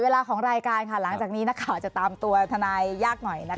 เวลาของรายการค่ะหลังจากนี้นักข่าวจะตามตัวทนายยากหน่อยนะคะ